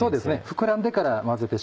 膨らんでから混ぜて。